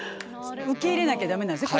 受け入れなきゃ駄目なんですね。